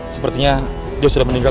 sepertinya dia sudah meninggal